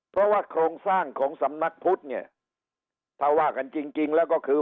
เพราะว่าโครงสร้างของสำนักพุทธเนี่ยถ้าว่ากันจริงจริงแล้วก็คือ